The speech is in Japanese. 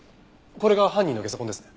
これが犯人のゲソ痕ですね？